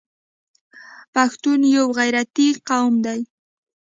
پښتون یو غیرتي قوم دی.